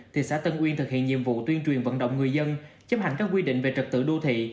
thị xã tân uyên thực hiện nhiệm vụ tuyên truyền vận động người dân chấp hành các quy định về trật tự đô thị